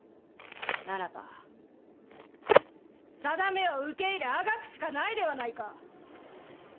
ならばさだめを受け入れあがくしかないではないか。